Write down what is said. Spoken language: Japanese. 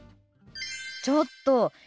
ちょっと！